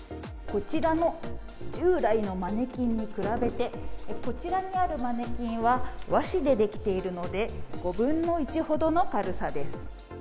従来のマネキンに比べてこちらにあるマネキンは和紙でできているので５分の１ほどの軽さです。